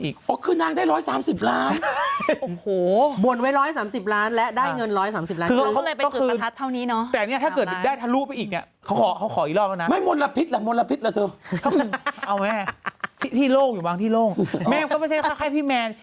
ก็คือขอ๑๓๐ล้านอย่างนั้น